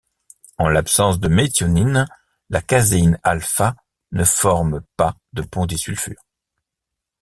En l'absence de méthionine, la caséine α ne forme pas de ponts disulfure.